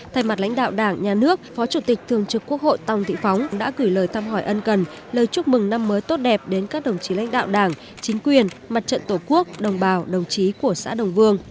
thay mặt lãnh đạo đảng nhà nước phó chủ tịch thường trực quốc hội tòng thị phóng đã gửi lời thăm hỏi ân cần lời chúc mừng năm mới tốt đẹp đến các đồng chí lãnh đạo đảng chính quyền mặt trận tổ quốc đồng bào đồng chí của xã đồng vương